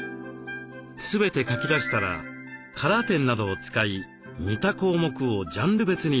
全て書き出したらカラーペンなどを使い似た項目をジャンル別にまとめます。